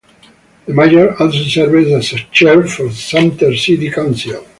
The mayor also serves as Chair for Sumter City Council.